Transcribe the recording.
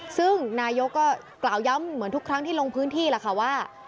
ซึ่งนายกก็กล่าวย้ำเหมือนทุกครั้งที่ลงพื้นที่แหละค่ะว่า